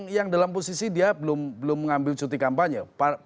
yang dalam posisi dia belum mengambil cuti kampanye